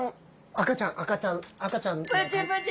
赤ちゃん赤ちゃん赤ちゃん。